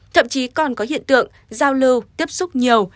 thậm chí còn có hiện tượng giao lưu tiếp xúc nhiều